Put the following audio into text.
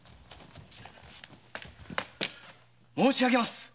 申し上げます。